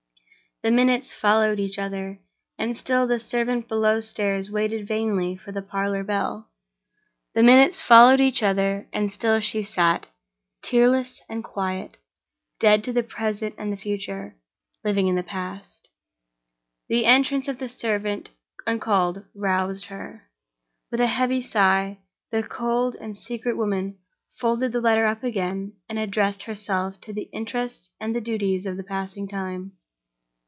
The minutes followed each other, and still the servant below stairs waited vainly for the parlor bell. The minutes followed each other, and still she sat, tearless and quiet, dead to the present and the future, living in the past. The entrance of the servant, uncalled, roused her. With a heavy sigh, the cold and secret woman folded the letter up again and addressed herself to the interests and the duties of the passing time.